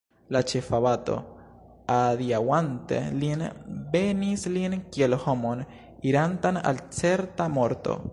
La ĉefabato, adiaŭante lin, benis lin kiel homon, irantan al certa morto.